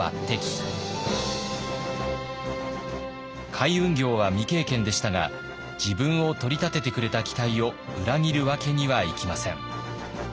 海運業は未経験でしたが自分を取り立ててくれた期待を裏切るわけにはいきません。